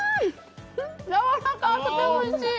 やわらかくておいしい！